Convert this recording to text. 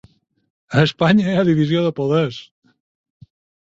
A Espanya hi ha divisió de poders.